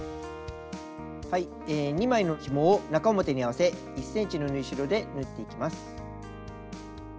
２枚のひもを中表に合わせ１ｃｍの縫い代で縫っていきます。